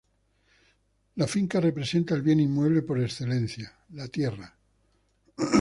La finca representa el bien inmueble por excelencia: la tierra.